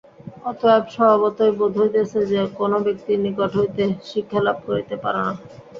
অতএব স্বভাবতই বোধ হইতেছে, যে- কোন ব্যক্তির নিকট হইতে শিক্ষালাভ করিতে পার না।